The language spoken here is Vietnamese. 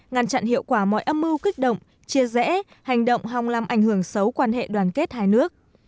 ngăn chặn hiệu quả mọi âm mưu kích động chia rẽ hành động hòng làm ảnh hưởng xấu quan hệ đoàn kết hai nước